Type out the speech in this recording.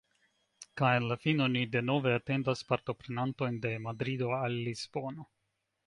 Kaj en la fino ni denove atendas partoprenantojn de Madrido al Lisbono.